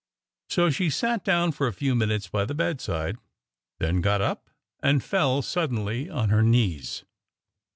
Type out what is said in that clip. So she sat down for a few minutes by the bedside, then got up, and fell suddenly on her knees.